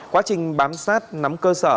quá trình bám sát nắm cơ sở